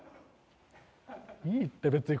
いいって別に。